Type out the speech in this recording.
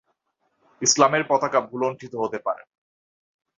ইসলামের পতাকা ভূলুণ্ঠিত হতে পারে না।